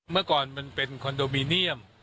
เมื่อก่อนมันเป็นคอนโดมิเนียม